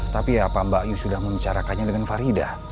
tapi ya apa mbak yu sudah mencarakannya dengan farida